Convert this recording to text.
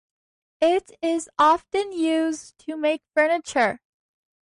It is often used to make furniture.